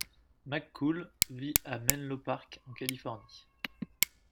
McCool vit à Menlo Park, en Californie.